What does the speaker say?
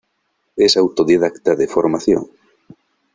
Es autodidacta de formación.